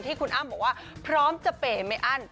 ที่คุณอ้ามบอกว่าพร้อมจะเป๋มั้ยอั้น